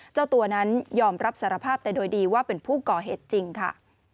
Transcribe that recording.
เจ้าตัวนั้นยอมรับสารภาพแต่โดยดีว่าเป็นผู้ก่อเหตุจริงค่ะ